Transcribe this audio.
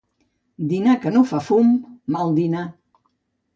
Dinar que no fa fum, mal dinar.